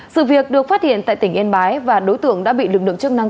sự việc được phát hiện tại tỉnh yên bái và đối tượng đã bị lực lượng chức năng